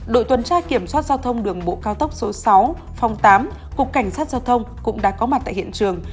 đội tuần tra kiểm soát giao thông đường bộ cao tốc số sáu phòng tám cục cảnh sát giao thông cũng đã có mặt tại hiện trường